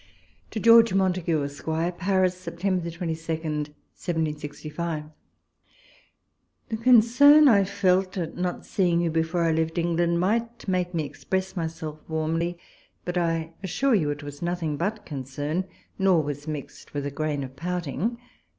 To George Montagu, Esq. Paris, Sept. 22, 1765. The concern I felt at not seeing you before I left England, might make me express myself warmly, but I assure you it was nothing but con cern, nor was mixed with a grain of pouting.